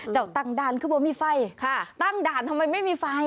ตั้งด่านคือบอกมีไฟตั้งด่านทำไมไม่มีไฟ